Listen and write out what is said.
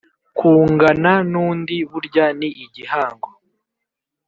kungana n’undi burya ni igihango